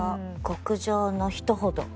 極上の人ほど。